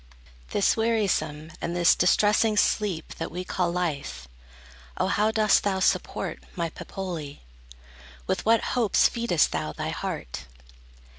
This wearisome and this distressing sleep That we call life, O how dost thou support, My Pepoli? With what hopes feedest thou Thy heart?